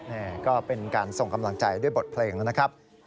ก็เป็นการส่งกำลังใจด้วยบทเพลงนะครับ